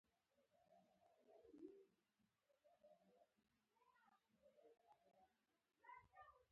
افریقايي هېواد بوتسوانا څنګه وکولای شول چې با ثباته ډیموکراسي ساز کړي.